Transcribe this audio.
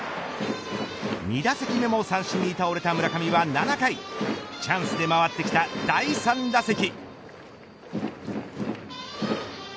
２打席目も三振に倒れた村上は７回チャンスで回ってきた第３打席。